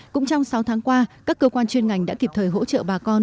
cũng trong sáu tháng qua các cơ quan chuyên ngành đã kịp thời hỗ trợ bà con